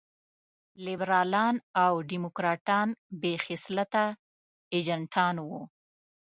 لېبرالان او ډيموکراټان بې خصلته اجنټان وو.